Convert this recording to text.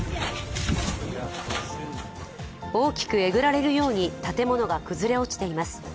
大きくえぐられるように建物が崩れ落ちています。